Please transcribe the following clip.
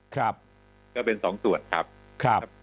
ครับก็เป็นสองส่วนครับ